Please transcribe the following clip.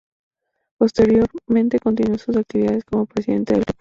Posteriormente continuó sus actividades como presidente del club.